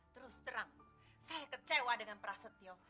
terus terang saya kecewa dengan prasetyo